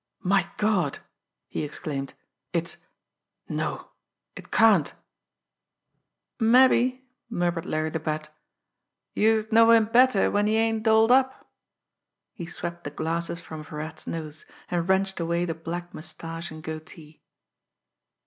"My god!" he exclaimed. "It's no, it can't " "Mabbe," murmured Larry the Bat, "youse'd know him better when he ain't dolled up." He swept the glasses from Virat's nose, and wrenched away the black moustache and goatee.